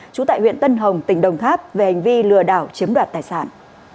trú tại huyện tân hồng tỉnh đồng tháp về hành vi lừa đảo chiếm đoạt tài sản